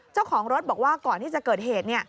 เจ้าของรถบอกว่าก่อนที่จะเกิดเหตุ